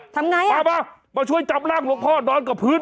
ทำไงมามาช่วยจับร่างหลวงพ่อนอนกับพื้น